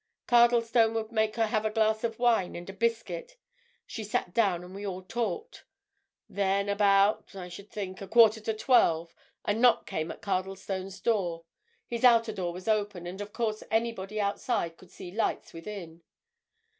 Cardlestone would make her have a glass of wine and a biscuit; she sat down and we all talked. Then, about, I should think, a quarter to twelve, a knock came at Cardlestone's door—his outer door was open, and of course anybody outside could see lights within.